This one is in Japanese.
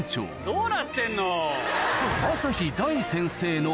どうなってんの⁉